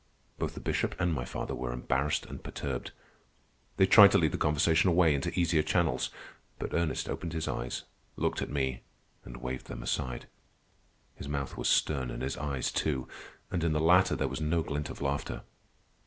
Both the Bishop and my father were embarrassed and perturbed. They tried to lead the conversation away into easier channels; but Ernest opened his eyes, looked at me, and waved them aside. His mouth was stern, and his eyes too; and in the latter there was no glint of laughter.